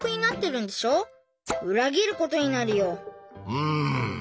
うん。